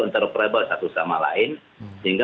enterprable satu sama lain sehingga